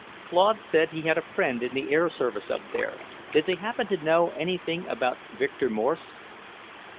Claude said he had a friend in the air service up there; did they happen to know anything about Victor Morse?